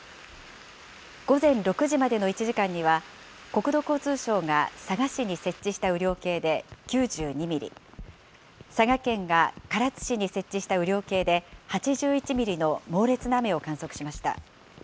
午前６時までの１時間には、国土交通省が佐賀市に設置した雨量計で９２ミリ、佐賀県が唐津市に設置した雨量計で８１ミリの猛烈な雨を観測しました。